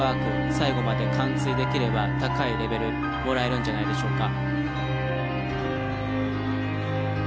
最後まで完遂できれば高いレベルもらえるんじゃないでしょうか。